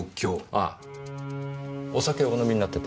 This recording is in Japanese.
あぁお酒お飲みになってた？